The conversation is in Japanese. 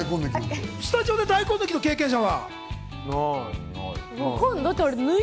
スタジオで大根抜きの経験者ない。